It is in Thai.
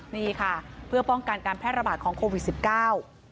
นี่ค่ะเพื่อป้องกันการแพร่ระบาดของโควิดสิบเก้า